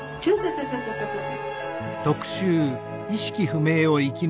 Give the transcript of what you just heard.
そうそうそうそう。